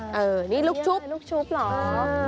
ลูกชุบเหรอ